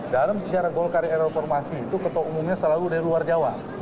dalam sejarah golkar era reformasi itu ketua umumnya selalu dari luar jawa